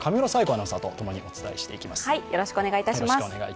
アナウンサーと共にお伝えしていきます。